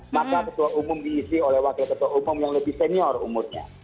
maka ketua umum diisi oleh wakil ketua umum yang lebih senior umurnya